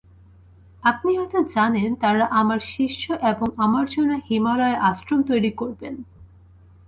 আপনি হয়তো জানেন, তাঁরা আমার শিষ্য এবং আমার জন্য হিমালয়ে আশ্রম তৈরী করবেন।